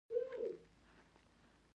ارواوو ته ډالۍ کوم.